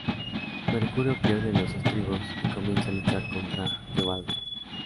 Mercucio pierde los estribos y comienza a luchar contra Teobaldo.